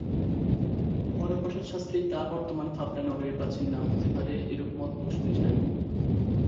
হরপ্রসাদ শাস্ত্রী তা বর্তমান পাবনা নগরীর প্রাচীন নাম হতে পারে এরূপ মত প্রকাশ করেছিলেন।